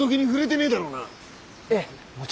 ええもちろん。